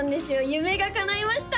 夢がかないました！